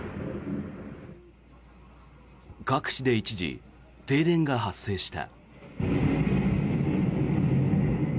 各地で一時、停電が発生した。